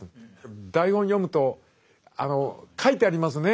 台本読むと書いてありますね